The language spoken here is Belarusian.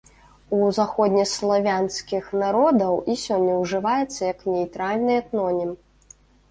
У заходнеславянскіх народаў і сёння ўжываецца як нейтральны этнонім.